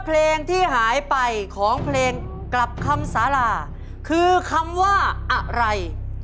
เพลงที่หายไปของเพลงกลับคำสาราคือคำว่าอะไร